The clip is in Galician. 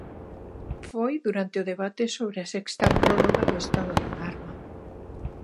Foi durante o debate sobre a sexta prórroga do estado de alarma.